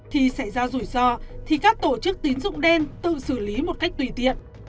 khi xảy ra rủi ro thì các tổ chức tín dụng đen tự xử lý một cách tùy tiện